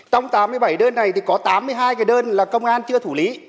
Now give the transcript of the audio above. trong tám mươi bảy đơn này thì có tám mươi hai cái đơn là công an chưa thủ lý